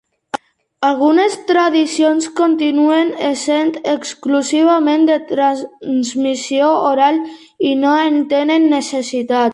Algunes tradicions continuen essent exclusivament de transmissió oral i no en tenen necessitat.